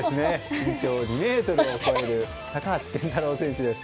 身長２ｍを超える高橋健太郎選手です。